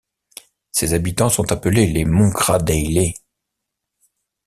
Ses habitants sont appelés les Montgradaillais.